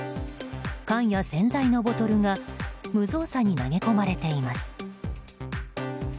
缶や洗剤のボトルが無造作に投げ込まれています。